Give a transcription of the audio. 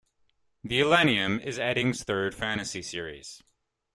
"The Elenium" is Eddings' third fantasy series.